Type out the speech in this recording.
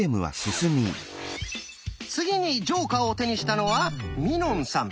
次にジョーカーを手にしたのはみのんさん。